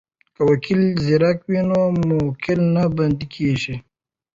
که وکیل زیرک وي نو موکل نه بندی کیږي.